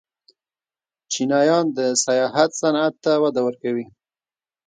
چینایان د سیاحت صنعت ته وده ورکوي.